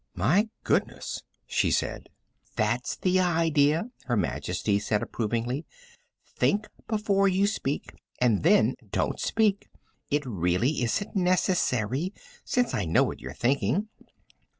"My goodness," she said. "That's the idea," Her Majesty said approvingly. "Think before you speak and then don't speak. It really isn't necessary, since I know what you're thinking."